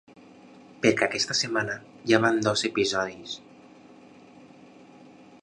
Perquè aquesta setmana ja van dos episodis.